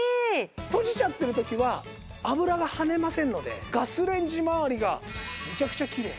閉じちゃってる時は油がはねませんのでガスレンジまわりがめちゃくちゃきれい。